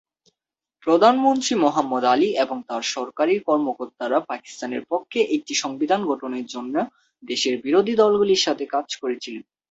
প্রধানমন্ত্রী মুহাম্মদ আলী এবং তাঁর সরকারী কর্মকর্তারা পাকিস্তানের পক্ষে একটি সংবিধান গঠনের জন্য দেশের বিরোধী দলগুলির সাথে কাজ করেছিলেন।